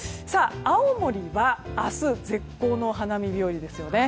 青森は、明日絶好のお花見日和ですね。